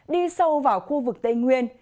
đi sâu vào khu vực tây nguyên